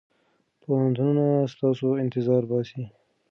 پوهنتونونه ستاسو انتظار باسي.